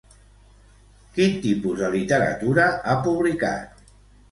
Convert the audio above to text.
Quin tipus de literatura ha publicat?